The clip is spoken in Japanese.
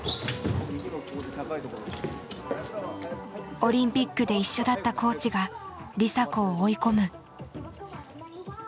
オリンピックで一緒だったコーチが梨紗子を追い込む。